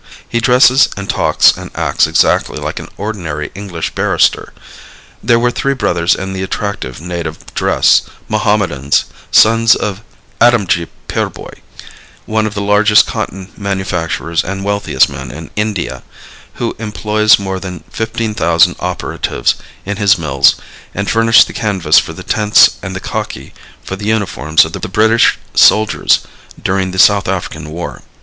He dresses and talks and acts exactly like an ordinary English barrister. There were three brothers in the attractive native dress, Mohammedans, sons of Adamjee Peerbhoy, one of the largest cotton manufacturers and wealthiest men in India, who employs more than 15,000 operatives in his mills and furnished the canvas for the tents and the khaki for the uniforms of the British soldiers during the South African war.